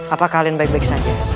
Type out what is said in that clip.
apa kalian baik baik saja